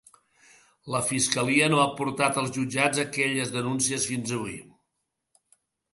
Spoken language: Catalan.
La fiscalia no ha portat als jutjats aquelles denuncies fins avui.